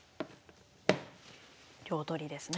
両取りですね。